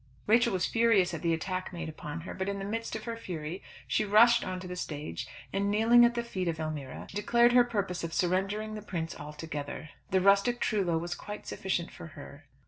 Rachel was furious at the attack made upon her, but in the midst of her fury she rushed on to the stage, and kneeling at the feet of Elmira, declared her purpose of surrendering the Prince altogether. The rustic Trullo was quite sufficient for her.